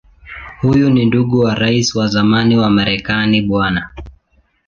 Huyu ni ndugu wa Rais wa zamani wa Marekani Bw.